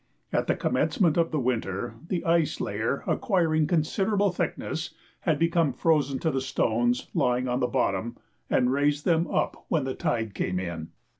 At the commencement of winter the ice layer acquiring considerable thickness, had become frozen to the stones lying on the bottom, and raised them up when the tide came in.